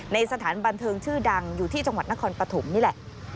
สถานบันเทิงชื่อดังอยู่ที่จังหวัดนครปฐมนี่แหละ